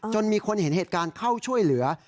มีคนเห็นเหตุการณ์เข้าช่วยเหลือ